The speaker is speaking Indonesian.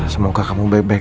semoga kamu baik baik saja